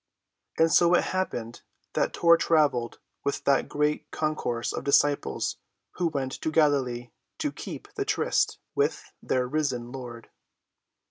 And so it happened that Tor traveled with that great concourse of disciples who went to Galilee to keep the tryst with their risen Lord.